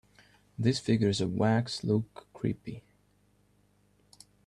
These figures of wax look creepy.